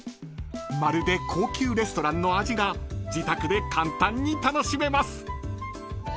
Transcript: ［まるで高級レストランの味が自宅で簡単に楽しめます］